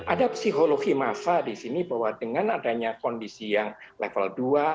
ada psikologi massa di sini bahwa dengan adanya kondisi yang level dua